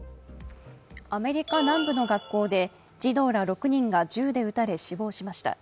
アメリカ南部の学校で児童ら６人が銃で撃たれ死亡しました。